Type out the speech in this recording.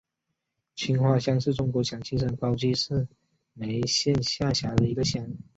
青化乡是中国陕西省宝鸡市眉县下辖的一个乡。